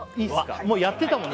もうやってたもんね